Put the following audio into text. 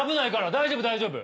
大丈夫大丈夫。